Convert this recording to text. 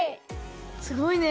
すごいね。